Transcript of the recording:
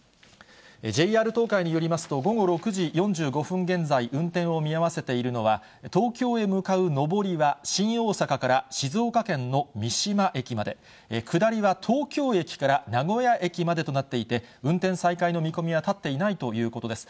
ＪＲ東海によりますと、午後６時４５分現在、運転を見合わせているのは、東京へ向かう上りは、新大阪から静岡県の三島駅まで、下りは東京駅から名古屋駅までとなっていて、運転再開の見込みは立っていないということです。